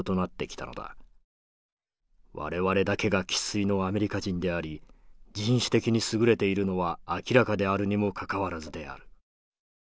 我々だけが生っ粋のアメリカ人であり人種的にすぐれているのは明らかであるにもかかわらずである」。